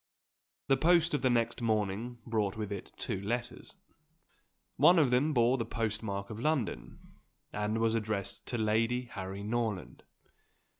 The post of the next morning brought with it two letters. One of them bore the postmark of London, and was addressed to Lady Harry Norland.